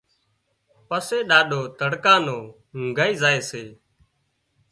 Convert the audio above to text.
پسي ڏاڏو تڙڪا نو اونگھائي زائي سي